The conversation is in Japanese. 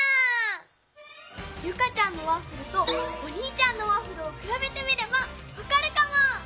ユカちゃんのワッフルとおにいちゃんのワッフルをくらべてみればわかるかも！